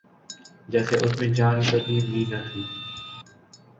جیسے اس میں جان کبھی بھی نہ تھی۔